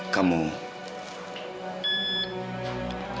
kamu sama sekali